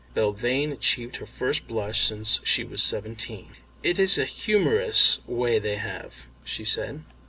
Belvane achieved her first blush since she was seventeen. "It is a humorous way they have," she said.